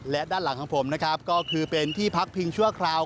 และด้านหลังของผมนะครับก็คือเป็นที่พักพิงชั่วคราว